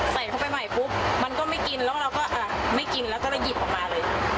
ใส่เข้าไปใหม่ปุ๊บมันก็ไม่กินแล้วเราก็ไม่กินแล้วก็เลยหยิบออกมาเลย